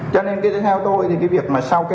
cho nên kia theo tôi thì cái việc mà sao kê